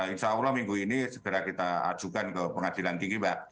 insya allah minggu ini segera kita ajukan ke pengadilan tinggi mbak